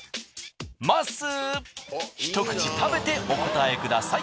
まっすーひと口食べてお答えください。